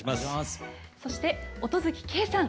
そして音月桂さん。